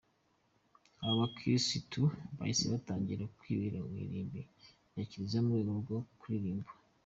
Aba bakirisitu bahise batangira kwibera ku irimbi rya kiliziya mu rwego rwo kuririnda.